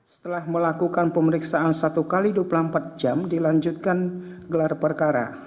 setelah melakukan pemeriksaan satu kali duplam empat jam dilanjutkan gelar perkara